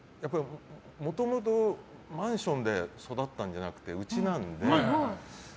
もともとマンションで育ったんじゃなくて、家なので。